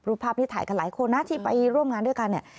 ภาพที่ถ่ายกันหลายคนนะที่ไปร่วมงานด้วยกันเนี่ย